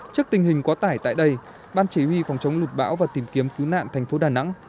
trước tình hình quá tải tại đây ban chỉ huy phòng chống lụt bão và tìm kiếm cứu nạn thành phố đà nẵng